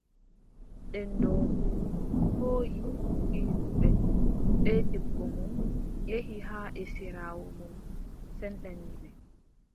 Nden doombru hooʼi ɓiyumʼen bee debbo mum, yehi haa esiraawo mum, sendani ɓe.